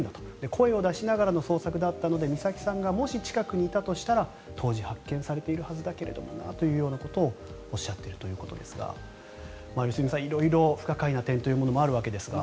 声を出しながらの捜索だったので美咲さんがもし近くにいたとしたら当時、発見されているはずだけれどもなとおっしゃっているということですが良純さん、色々不可解な点もあるわけですが。